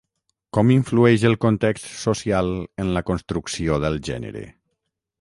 Com influeix el context social en la construcció del gènere?